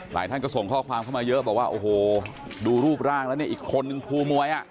ท่านก็ส่งข้อความเข้ามาเยอะบอกว่าโอ้โหดูรูปร่างแล้วเนี่ยอีกคนนึงครูมวยอ่ะ